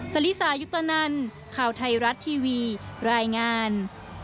ลิสายุตนันข่าวไทยรัฐทีวีรายงาน